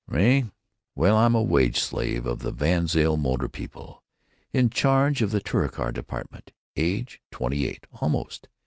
"Me—well, I'm a wage slave of the VanZile Motor people, in charge of the Touricar department. Age, twenty eight—almost.